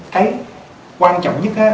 cái quan trọng nhất á